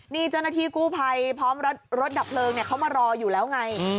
นี่เจ้าหน้าที่กู้ภัยพร้อมรถดับเพลิงเขามารออยู่แล้วไง